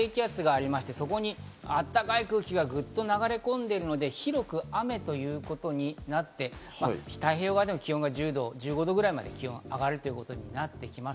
あったかい空気が流れ込んでいるので、広く雨ということになって、太平洋側でも気温が１０度、１５度くらいまで気温が上がるということになってきます。